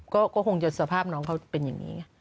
ก็คงจะสภาพน้องเขาเป็นอย่างนี้ไง